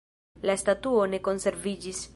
La statuo ne konserviĝis.